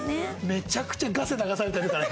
めちゃくちゃガセ流されてるから。